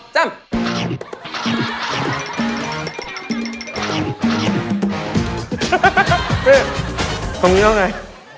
เจ๊ทำอย่างนี้ว่าไง